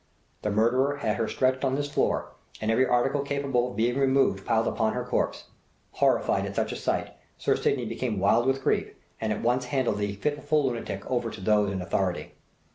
"The murderer had her stretched on this floor, and every article capable of being removed piled upon her corpse. Horrified at such a sight, Sir Sydney became wild with grief, and at once handed the pitiful lunatic over to those in authority.